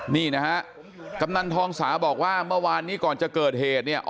นี่นะฮะกำนันทองสาบอกว่าเมื่อวานนี้ก่อนจะเกิดเหตุเนี่ย